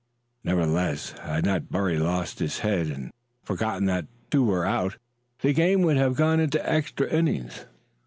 Nevertheless, had not Berry lost his head and forgotten that two were out, the game would have gone into extra innings.